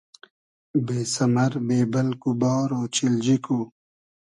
بې سئمئر بې بئلگ و بار اۉچیلجی کو